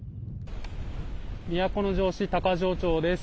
都城市高城町です。